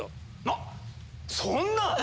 なっそんな！